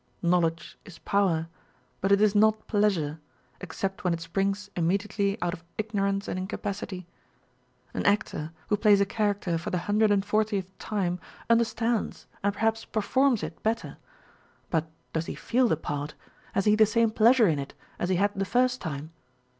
Knowledge is power ; but it is not pleasure, except when it springs immediately out of ignorance and incapacity. An actor, who plays a character for the hundred and fortieth time, understands and perhaps performs it better ; but does he feel the part, has he the same pleasure in it as he had the first time